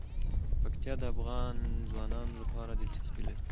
پکتیا د افغان ځوانانو لپاره دلچسپي لري.